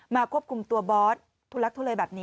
มาควบคุมบอสทุลักทุลัยแบบนี้